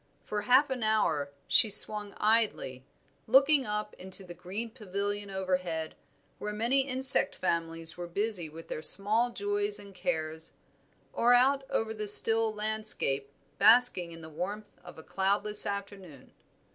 For half an hour she swung idly, looking up into the green pavilion overhead, where many insect families were busy with their small joys and cares, or out over the still landscape basking in the warmth of a cloudless afternoon.